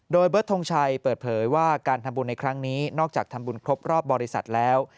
โดยเบิร์ดทงชัยเปิดเผยว่าการทำบุญในครั้งนี้นอกจากทำบุญครบรอบบริษัทแล้ว